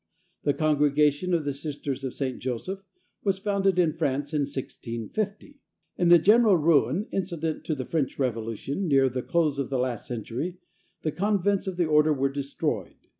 The Congregation of the Sisters of St. Joseph was founded in France, in 1650. In the general ruin incident to the French Revolution, near the close of the last century, the convents of the order were destroyed.